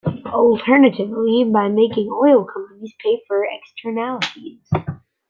Alternatively, by making oil companies pay for externalities.